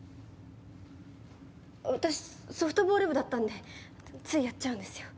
私ソフトボール部だったんでついやっちゃうんですよ。